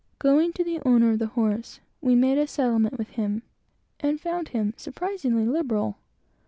Going to the owner of the horse, we made a settlement with him, and found him surprisingly liberal.